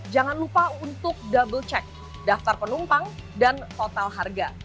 jangan lupa untuk double check daftar penumpang dan total harga